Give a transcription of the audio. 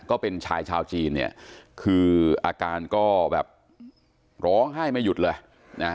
ก็เป็นชายชาวจีนเนี่ยคืออาการก็แบบร้องไห้ไม่หยุดเลยนะ